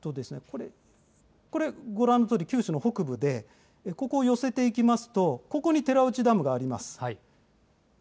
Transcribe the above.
これ、ご覧のとおり九州の北部で、ここ寄せていきますと、ここに寺内ダムがあります。